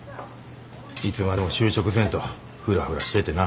いつまでも就職せんとフラフラしててな。